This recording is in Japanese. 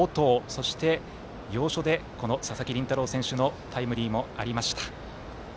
そして、要所でこの佐々木麟太郎選手のタイムリーもありました。